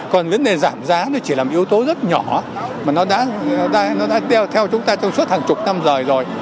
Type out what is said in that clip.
còn vấn đề giảm giá nó chỉ là một yếu tố rất nhỏ mà nó đã theo chúng ta trong suốt hàng chục năm rồi rồi